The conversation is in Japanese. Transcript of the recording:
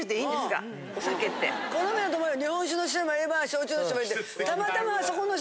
好みだと思うよ。